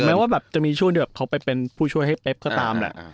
แม้ว่าแบบจะมีช่วงเดียวเขาไปเป็นผู้ช่วยให้เป๊บก็ตามแหละ